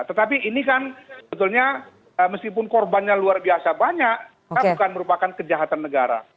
tetapi ini kan sebetulnya meskipun korbannya luar biasa banyak kan bukan merupakan kejahatan negara